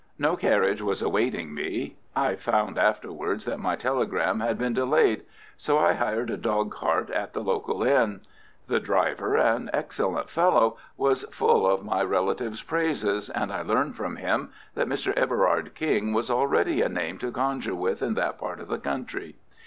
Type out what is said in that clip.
No carriage was awaiting me (I found afterwards that my telegram had been delayed), so I hired a dog cart at the local inn. The driver, an excellent fellow, was full of my relative's praises, and I learned from him that Mr. Everard King was already a name to conjure with in that part of the country.